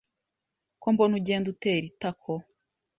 Ko mbona ugenda utera itako